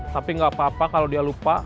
tapi gak apa apa kalau dia lupa